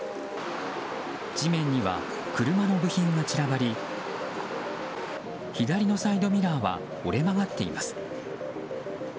地面には車の部品が散らばり左のサイドミラーは折れ曲がっています。